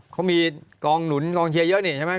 เขามีกองหนุนกองเชียร์เยอะนี่ใช่ไหม